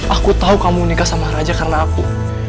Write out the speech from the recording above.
aku tahu kamu nikah sama raja karena aku